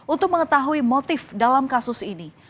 untuk mengetahui motif dalam kasus ini